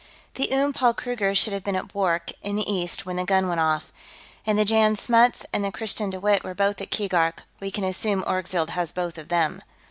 The Oom Paul Kruger should have been at Bwork, in the east, when the gun went off. And the Jan Smuts and the Christiaan De Wett were both at Keegark; we can assume Orgzild has both of them."